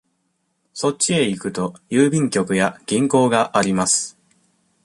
そっちへ行くと、郵便局や銀行があります。